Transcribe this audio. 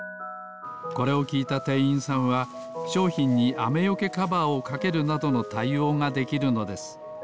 これをきいたてんいんさんはしょうひんにあめよけカバーをかけるなどのたいおうができるのです。